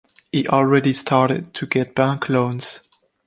He already started get bank loans.